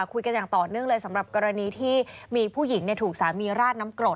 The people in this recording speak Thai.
คุยกันอย่างต่อเนื่องเลยสำหรับกรณีที่มีผู้หญิงถูกสามีราดน้ำกรด